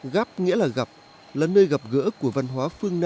gáp nghĩa là gặp là nơi gặp gỡ